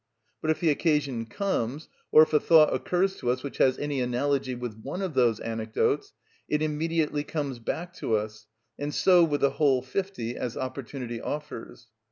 But if the occasion comes, or if a thought occurs to us which has any analogy with one of those anecdotes, it immediately comes back to us; and so with the whole fifty as opportunity offers.